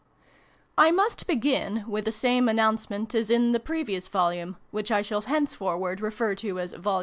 I MUST begin with the same announcement as in the previous Volume (which I shall henceforward refer to as "Vol.